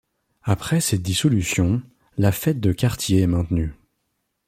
Après cette dissolution, la fête de quartier est maintenue.